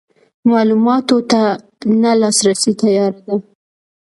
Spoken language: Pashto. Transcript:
معلوماتو ته نه لاسرسی تیاره ده.